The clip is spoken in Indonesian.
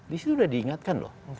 di situ sudah diingatkan loh